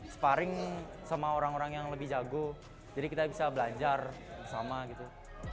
sparring sama orang orang yang lebih jago jadi kita bisa belajar bersama gitu